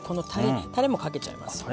たれもかけちゃいます。